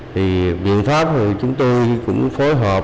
thì biện pháp thì chúng tôi cũng phối hợp